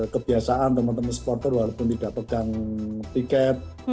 kebiasaan teman teman supporter walaupun tidak pegang tiket